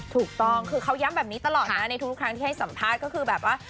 ถูกต้องคือเขาย้ำแบบนี้ตลอดนะในทุกครั้งที่ให้สัมภาษณ์ก็คือแบบว่า